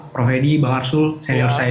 prof edi bang arsul senior saya